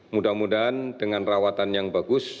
mudah mudahan dengan rawatan yang bagus